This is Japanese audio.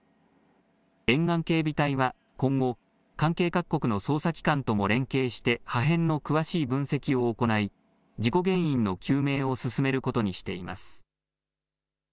沿岸警備隊は今後、関係各国の捜査機関とも連携して破片の詳しい分析を行い事故原因の究明を進めることにしています。